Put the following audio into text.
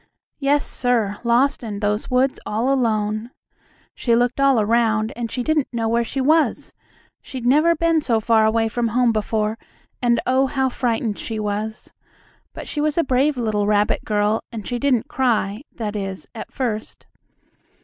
Yes, sir, lost in those woods all alone. She looked all around, and she didn't know where she was. She'd never been so far away from home before, and, oh, now frightened she was! But she was a brave little rabbit girl, and she didn't cry, that is, at first.